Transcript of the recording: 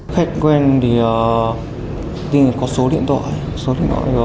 khách quen thì có số điện thoại